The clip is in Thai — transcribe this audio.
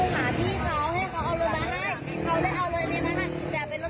เสียงอ่อนเสียงหวาน